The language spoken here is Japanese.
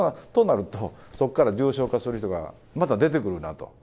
となると、そこから重症化する人がまた出てくるなと。